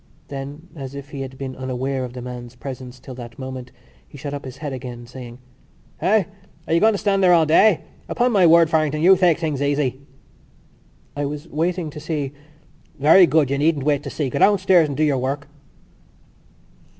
Then, as if he had been unaware of the man's presence till that moment, he shot up his head again, saying: "Eh? Are you going to stand there all day? Upon my word, Farrington, you take things easy!" "I was waiting to see...." "Very good, you needn't wait to see. Go downstairs and do your work."